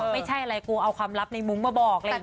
ไม่ใช่อะไรกูเอาความลับในมุมมาบอก